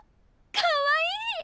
かわいい！